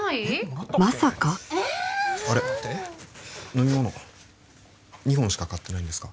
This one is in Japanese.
飲み物２本しか買ってないんですか？